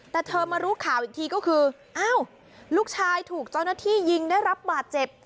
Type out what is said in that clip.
แต่เธอมารู้ข่าวอีกทีก็คืออ้าวลูกชายถูกเจ้าหน้าที่ยิงได้รับบาดเจ็บ